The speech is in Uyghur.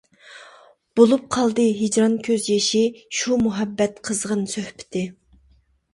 بولۇپ قالدى ھىجران كۆز يېشى، شۇ مۇھەببەت قىزغىن سۆھبىتى.